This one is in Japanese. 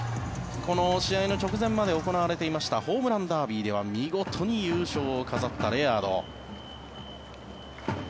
この試合の直前まで行われていましたホームランダービーでは見事に優勝を飾ったレアード。